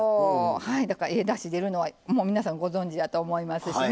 だから、ええだし出るのは皆さん、ご存じやと思いますしね。